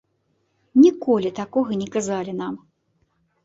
Ніколі такога не казалі нам.